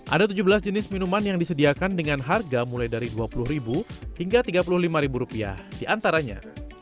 ada tujuh belas jenis minuman yang disediakan dengan harga mulai dari rp dua puluh hingga rp tiga puluh lima diantaranya